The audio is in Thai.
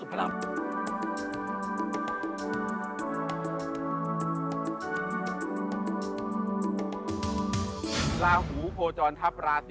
ในการนำชมสถานที่แล้วก็เล่าเรื่องราวต่างประวัติต่างหน่อย